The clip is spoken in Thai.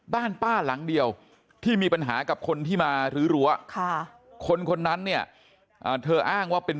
บ้านป้าหลังเดียวที่มีปัญหากับคนที่มารื้อรั้วคนคนนั้นเนี่ยเธออ้างว่าเป็น